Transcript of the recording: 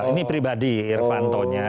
ini pribadi irvanto nya